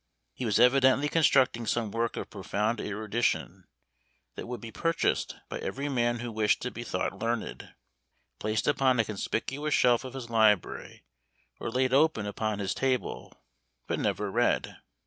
He was evidently constructing some work of profound erudition, that would be purchased by every man who wished to be thought learned, placed upon a conspicuous shelf of his library, or laid open upon his table but never read.